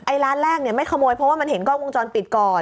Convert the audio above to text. ร้านแรกเนี่ยไม่ขโมยเพราะว่ามันเห็นกล้องวงจรปิดก่อน